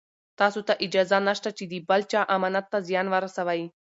تاسو ته اجازه نشته چې د بل چا امانت ته زیان ورسوئ.